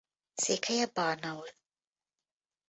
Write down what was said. Székhelye Barnaul.